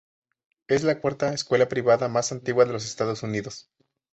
Es la cuarta escuela privada más antigua de los Estados Unidos.